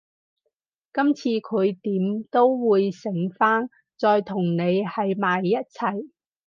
今次佢點都會醒返，再同你喺埋一齊